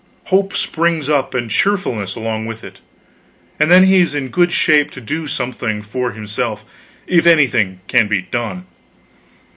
Hope springs up, and cheerfulness along with it, and then he is in good shape to do something for himself, if anything can be done.